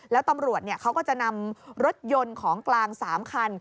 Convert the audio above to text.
แล้วตำรวจเขาก็จะนำรถยนต์ของกลาง๓คัน